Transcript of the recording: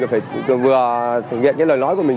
và vừa thực hiện lời nói của mình